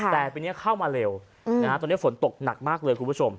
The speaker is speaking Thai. แต่ปีนี้เข้ามาเร็วตอนนี้ฝนตกหนักมากเลยคุณผู้ชม